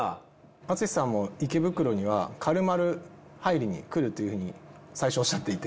淳さんも池袋にはかるまる入りに来るっていうふうに最初おっしゃっていて。